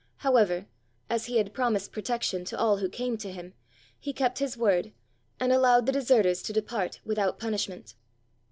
However, as he had promised protection to all who came to him, he kept his word, and allowed the deserters to depart without punishment.